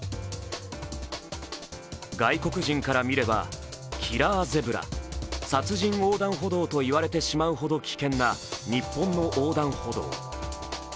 外国人から見ればキラーゼブラ＝殺人横断歩道と言われてしまうほど危険な日本の横断歩道。